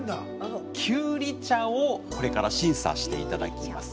きゅうり茶を審査していただきます。